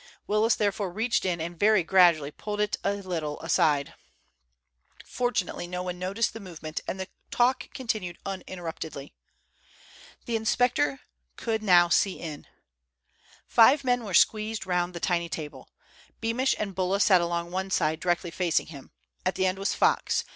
Willis therefore reached in and very gradually pulled it a little aside. Fortunately no one noticed the movement, and the talk continued uninterruptedly. The inspector could now see in. Five men were squeezed round the tiny table. Beamish and Bulla sat along one side, directly facing him. At the end was Fox.